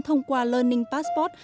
thông qua learning passport